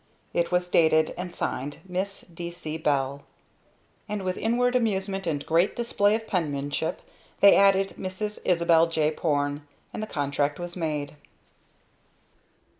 It was dated, and signed "Miss D. C. Bell." And with inward amusement and great display of penmanship they added "Mrs. Isabel J. Porne," and the contract was made.